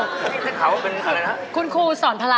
นี่จะข่าวว่าเป็นอะไรนะครับคุณครูสอนภาระ